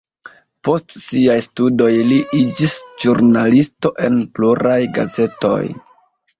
Post siaj studoj li iĝis ĵurnalisto en pluraj gazetoj.